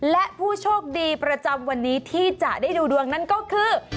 และผู้โชคดีประจำวันนี้ที่จะได้ดูดวงนั้นก็คือ